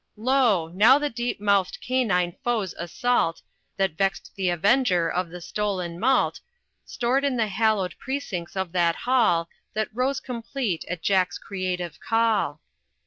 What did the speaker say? Lo! now the deep mouthed canine foe's assault, That vexed the avenger of the stolen malt, Stored in the hallowed precincts of that hall That rose complete at Jack's creative call.